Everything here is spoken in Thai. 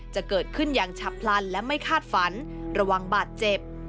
จะเกิดขึ้นอย่างฉับพลันและไม่คาดฝันระวังบาดเจ็บ